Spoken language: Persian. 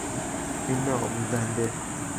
فیلم آموزنده